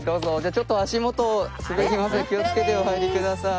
ちょっと足元滑りますので気をつけてお入りください。